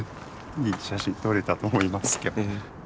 いい写真撮れたと思いますけどね。